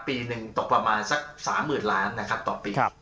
ปีหนึ่งตกประมาณสัก๓๐๐๐ล้านนะครับต่อปี